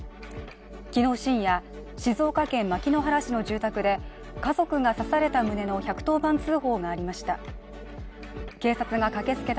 昨日深夜、静岡県牧之原市の住宅で家族が刺された旨の１１０番通報がありました。